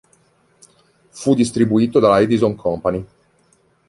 Fu distribuito dalla Edison Company.